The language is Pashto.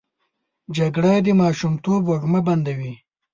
جګړه د ماشومتوب وږمه بندوي